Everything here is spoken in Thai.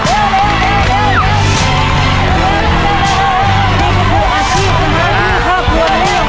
หกชิ้นต่อนึงกล่องนะครับ